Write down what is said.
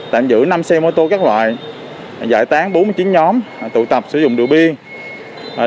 tạm giữ năm xe mô tô các loại giải tán bốn mươi chín nhóm tụ tập sử dụng rượu bia